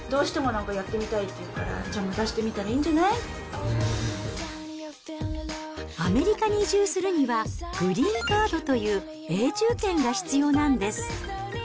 どうしてもなんかやってみたいって言うから、じゃあ出してみアメリカに移住するには、グリーンカードという永住権が必要なんです。